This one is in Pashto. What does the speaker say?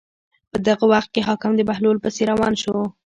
په دغه وخت کې حاکم د بهلول پسې روان شو.